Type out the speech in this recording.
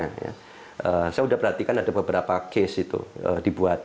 saya sudah perhatikan ada beberapa case itu dibuat